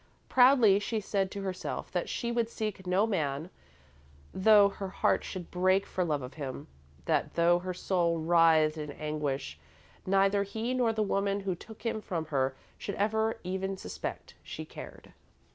Proudly she said to herself that she would seek no man, though her heart should break for love of him; that though her soul writhed in anguish, neither he nor the woman who took him from her should ever even suspect she cared.